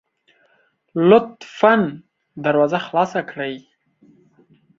لطفا دروازه خلاصه کړئ